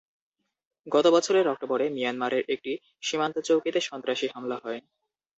গত বছরের অক্টোবরে মিয়ানমারের একটি সীমান্তচৌকিতে সন্ত্রাসী হামলা হয়।